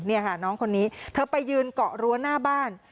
นี่ค่ะน้องคนนี้เธอไปยืนเกาะรั้วหน้าบ้าน